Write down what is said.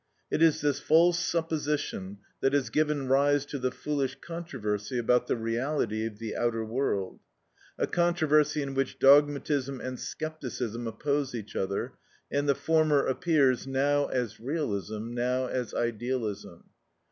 It is this false supposition that has given rise to the foolish controversy about the reality of the outer world; a controversy in which dogmatism and scepticism oppose each other, and the former appears, now as realism, now as idealism.